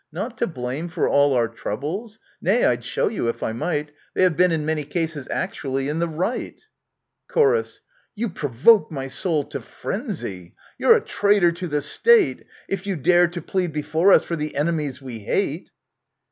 Not to blame for all our troubles ; nay, I'd show you, if I might, They have been in many cases actually in the right ! Chor. You provoke my soul to frenzy ! You're a traitor to the State, ^ J A If you dare to plead before us for the enemies we hate